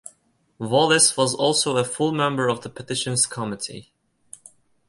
Wallis was also a full member of the Petitions Committee.